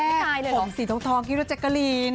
มองแวบแรกของสีท้องฮิโรเจ็กเกอรีน